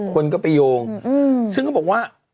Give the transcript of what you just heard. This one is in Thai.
คนก็ไปโยงซึ่งเขาบอกว่า